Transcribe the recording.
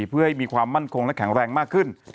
เพื่อให้มีความมั่นคงและแข็งแรงมากขึ้น